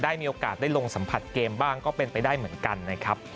มีโอกาสได้ลงสัมผัสเกมบ้างก็เป็นไปได้เหมือนกันนะครับ